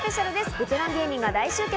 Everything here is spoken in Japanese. ベテラン芸人が大集結！